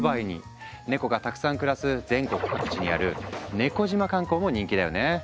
ネコがたくさん暮らす全国各地にある「猫島観光」も人気だよね。